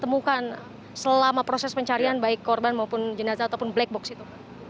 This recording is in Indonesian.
ditemukan selama proses pencarian baik korban maupun jenazah ataupun black box itu